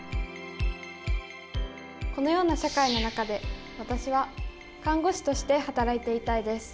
このような社会の中で私は看護師として働いていたいです。